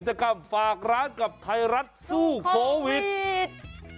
กิจกรรมฝากร้านกับไทยรัฐสู้โควิด